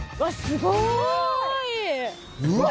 すごーい！